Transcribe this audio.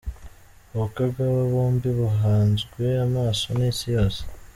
Ubukwe bw'aba bombi buhanzwe amaso n'isi yose.